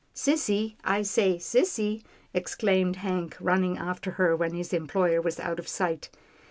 " Sissy, I say, sissy," exclaimed Hank running after her, when his employer was out of sight.